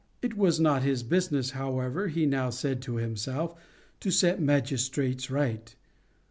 It was not his business, however, he now said to himself, to set magistrates right.